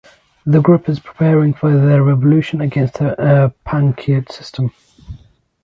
The group is preparing for their revolution against the Panchayat system.